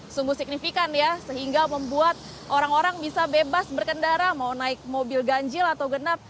sungguh signifikan ya sehingga membuat orang orang bisa bebas berkendara mau naik mobil ganjil atau genap